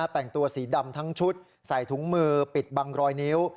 แต่งตัวสีดำทั้งชุดใส่ถุงมือปิดบังรอยนิ้ว